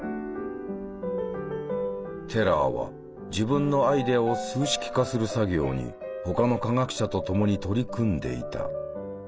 テラーは自分のアイデアを数式化する作業に他の科学者と共に取り組んでいた。